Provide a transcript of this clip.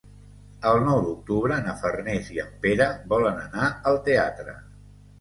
El nou d'octubre na Farners i en Pere volen anar al teatre.